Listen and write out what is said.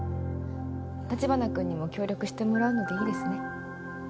橘君にも協力してもらうのでいいですね？